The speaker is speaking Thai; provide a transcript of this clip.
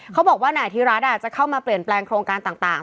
เขาบอกว่านายอธิรัฐอาจจะเข้ามาเปลี่ยนแปลงโครงการต่าง